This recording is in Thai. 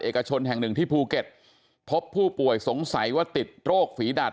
เอกชนแห่งหนึ่งที่ภูเก็ตพบผู้ป่วยสงสัยว่าติดโรคฝีดาด